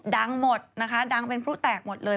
ดังหมดดังเป็นผู้แตกหมดเลย